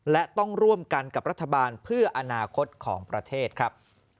และต้องร่วมกันกับรัฐบาลเพื่ออนาคตของประเทศครับ